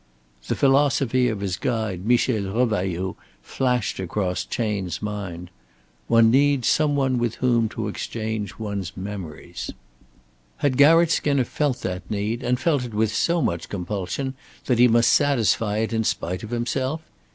The philosophy of his guide Michel Revailloud flashed across Chayne's mind. "One needs some one with whom to exchange one's memories." Had Garratt Skinner felt that need and felt it with so much compulsion that he must satisfy it in spite of himself?